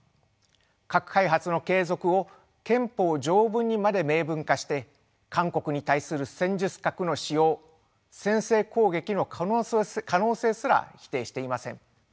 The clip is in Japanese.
核開発の継続を憲法条文にまで明文化して韓国に対する戦術核の使用先制攻撃の可能性すら否定していません。